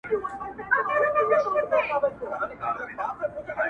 له ازله د خپل ځان په وینو رنګ یو!!